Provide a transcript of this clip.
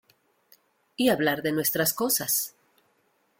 y hablar de nuestras cosas.